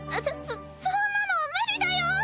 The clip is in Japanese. そそそんなの無理だよ！